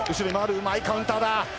うまいカウンターだ。